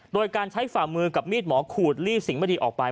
โดยการใช้ฝ่ามือกับมีดหมอขูดลี่สิ่งไม่ดีออกไป